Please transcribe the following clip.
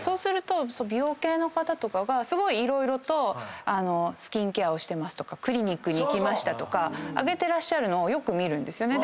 美容系の方とかがすごい色々とスキンケアをしてますとかクリニックに行きましたとか上げてるのよく見るんですよね。